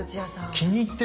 気に入ってる。